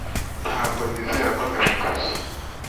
ntabwo nizera ko nabikoze